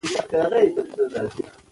خو بيا هم پکې نرينه مرکزيت ماتېده